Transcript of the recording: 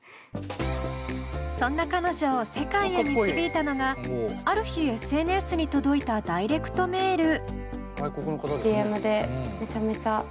そんな彼女を世界へ導いたのがある日ＳＮＳに届いたダイレクトメール。